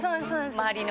周りの。